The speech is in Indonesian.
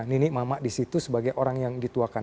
ninik mama di situ sebagai orang yang dituakan